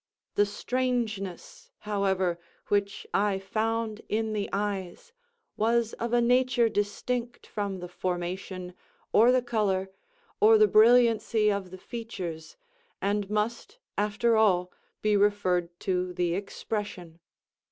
The "strangeness," however, which I found in the eyes, was of a nature distinct from the formation, or the color, or the brilliancy of the features, and must, after all, be referred to the expression.